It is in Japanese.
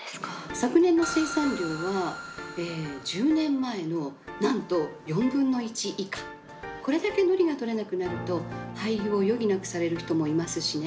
昨年の生産量は１０年前のなんと４分の１以下。これだけ海苔がとれなくなると廃業を余儀なくされる人もいますしね。